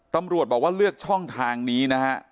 ตำรวจบอกว่าเลือกช่องทางนี้นะฮะ